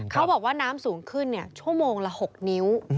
เขาบอกว่าน้ำสูงขึ้นชั่วโมงละ๖นิ้ว